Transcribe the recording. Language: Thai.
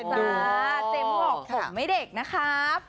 ว้าวเจมส์บอกพูดไม่เด็กนะครับ